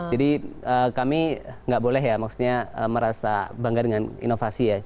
jadi kami tidak boleh ya maksudnya merasa bangga dengan inovasi ya